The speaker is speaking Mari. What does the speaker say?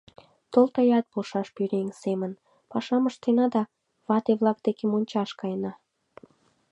— Тол тыят полшаш пӧръеҥ семын: пашам ыштена да вате-влак деке мончаш каена!